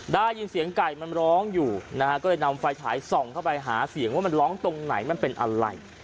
ได้ยินเสียงไก่มันร้องอยู่นะฮะก็เลยนำไฟฉายส่องเข้าไปหาเสียงว่ามันร้องตรงไหนมันเป็นอะไร